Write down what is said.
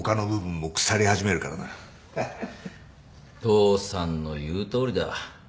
父さんの言うとおりだ。